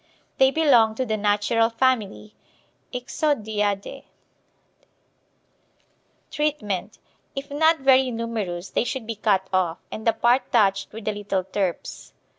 They belong to the natural family, Ixodiadae. Treatment If not very numerous they should be cut off, and the part touched with a little turps.